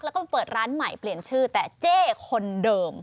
แล้วก็เปิดร้านใหม่เปลี่ยนชื่อแต่เจ๊คนเดิม